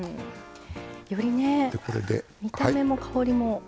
より見た目も香りも。